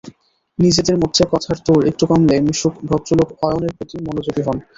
নিজেদের মধ্যে কথার তোড় একটু কমলে মিশুক ভদ্রলোক অয়নের প্রতি মনোযোগী হন।